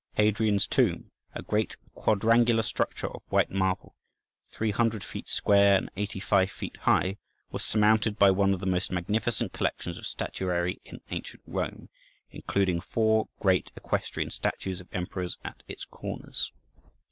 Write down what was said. Hadrian's tomb—a great quadrangular structure of white marble, 300 feet square and 85 feet high—was surmounted by one of the most magnificent collections of statuary in ancient Rome, including four great equestrian statues of emperors at its corners.